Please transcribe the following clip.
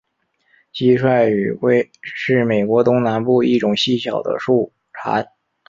蟋蟀雨蛙是美国东南部一种细小的树蟾。